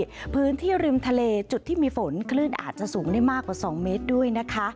ในพื้นที่ริมทะเลจุดที่มีฝนคลื่นอาจจะสูงได้มากกว่า๒เมตรด้วยนะคะ